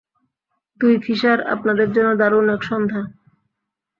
দুই ফিশার, আপনাদের জন্য দারুণ এক সন্ধ্যা।